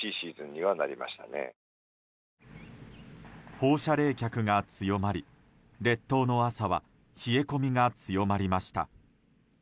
放射冷却が強まり、列島の朝は冷え込みが強まりました。